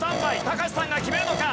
隆さんが決めるのか？